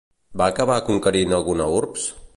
Va acabar conquerint alguna urbs?